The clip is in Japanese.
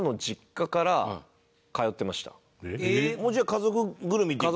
もうじゃあ家族ぐるみっていうか。